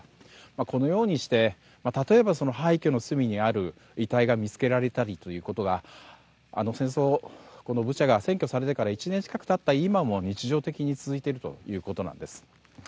このようにして例えば廃虚の隣にある遺体が見つけられたりとかブチャが占拠されてから１年近く経った今も日常的に続いているということです。